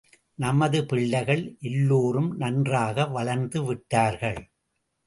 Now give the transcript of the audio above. நமது பிள்ளைகள் எல்லோரும் நன்றாக வளர்ந்து விட்டார்கள்.